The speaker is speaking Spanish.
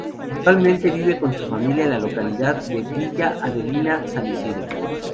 Actualmente vive con su familia, en la localidad de Villa Adelina, San Isidro.